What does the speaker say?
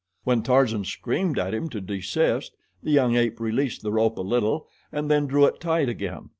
When Tarzan screamed at him to desist, the young ape released the rope a little and then drew it tight again.